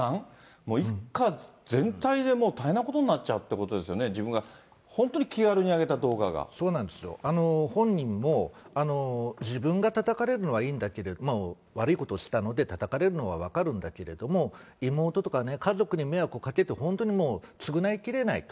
もう一家全体で、もう大変なことになっちゃうってことですよね、自分が本当に気軽そうなんですよ、本人も自分がたたかれるのはいいんだけど、悪いことをしたのでたたかれるのは分かるんだけれども、妹とかね、家族に迷惑をかけて、本当にもう、償いきれないと。